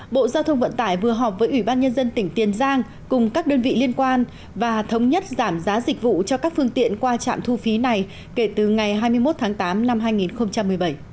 bộ giao thông vận tải vừa họp với ủy ban nhân dân tỉnh tiền giang cùng các đơn vị liên quan và thống nhất giảm giá dịch vụ cho các phương tiện qua trạm thu phí này kể từ ngày hai mươi một tháng tám năm hai nghìn một mươi bảy